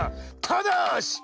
ただし！